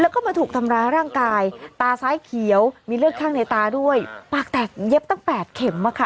แล้วก็มาถูกทำร้ายร่างกายตาซ้ายเขียวมีเลือดข้างในตาด้วยปากแตกเย็บตั้งแปดเข็มอ่ะค่ะ